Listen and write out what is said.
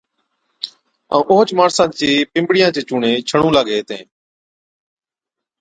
ائُون اوهچ ماڻسا چي پنبڙِيان چي چُونڻي ڇئُون لاگي هِتين۔